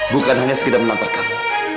bukan hanya sekedar menampar kamu